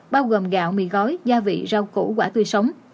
bao gồm gạo mì gói gia vị rau củ quả tươi sống